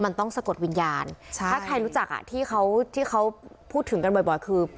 มันต้องสะกดวิญญาณใช่ถ้าใครรู้จักอ่ะที่เขาที่เขาพูดถึงกันบ่อยคือ